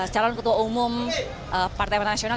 calon ketua umum partemen nasional